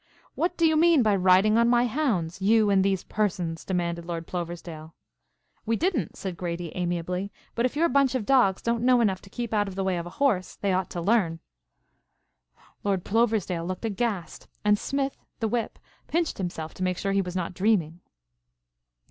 "What do you mean by riding on my hounds, you and these persons?" demanded Lord Ploversdale. "We didn't," said Grady amiably, "but if your bunch of dogs don't know enough to keep out of the way of a horse, they ought to learn." Lord Ploversdale looked aghast, and Smith, the whip, pinched himself to make sure that he was not dreaming.